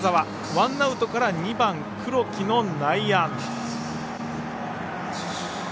ワンアウトから２番、黒木の内野安打。